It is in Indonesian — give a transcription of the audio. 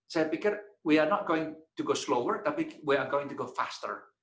saya pikir kita tidak akan lebih lambat tapi kita akan lebih cepat